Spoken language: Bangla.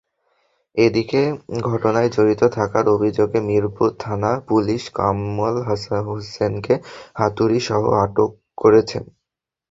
এদিকে ঘটনায় জড়িত থাকার অভিযোগে মিরপুর থানা-পুলিশ কামাল হোসেনকে হাতুড়িসহ আটক করেছে।